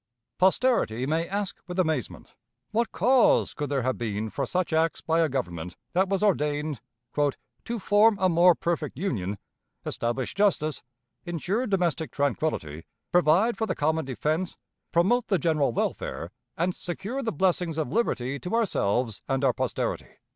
Posterity may ask with amazement. What cause could there have been for such acts by a government that was ordained "to form a more perfect union, establish justice, insure domestic tranquillity, provide for the common defense, promote the general welfare, and secure the blessings of liberty to ourselves and our posterity"?